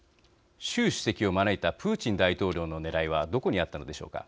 習主席を招いたプーチン大統領のねらいはどこにあったのでしょうか。